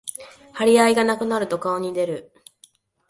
張り合いがなくなると顔に出る